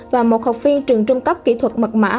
và một học viên trường trung cấp kỹ thuật mật mã